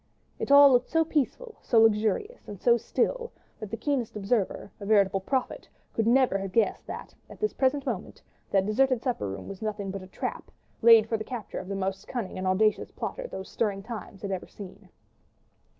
It all looked so peaceful, so luxurious, and so still, that the keenest observer—a veritable prophet—could never have guessed that, at this present moment, that deserted supper room was nothing but a trap laid for the capture of the most cunning and audacious plotter those stirring times had ever seen.